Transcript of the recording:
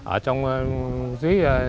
ở trong dưới